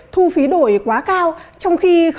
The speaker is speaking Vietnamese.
thu phí đổi quá cao trong khi